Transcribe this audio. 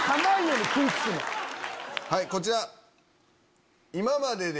はいこちら。